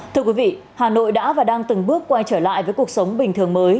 thưa quý vị hà nội đã và đang từng bước quay trở lại với cuộc sống bình thường mới